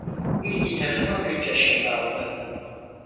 İlk gitarını on üç yaşında aldı.